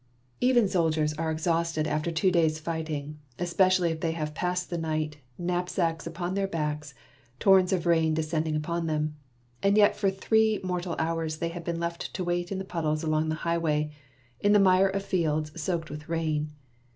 Even soldiers are exhausted after two days' fighting, especially if they have passed the night, knapsacks upon their backs, torrents of rain de scending upon them. And yet for three mortal hours they had been left to wait in the puddles along the highway, in the mire of fields soaked with rain.